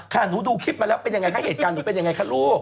หนูดูคลิปมาแล้วเป็นยังไงคะเหตุการณ์หนูเป็นยังไงคะลูก